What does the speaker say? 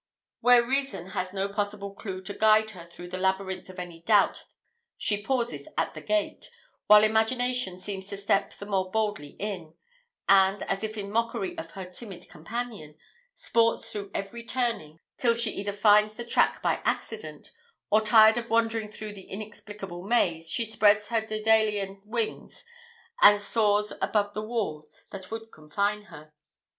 Where reason has no possible clue to guide her through the labyrinth of any doubt she pauses at the gate, while imagination seems to step the more boldly in; and, as if in mockery of her timid companion, sports through every turning till she either finds the track by accident, or, tired of wandering through the inexplicable maze, she spreads her Dædalian wings and soars above the walls that would confine her.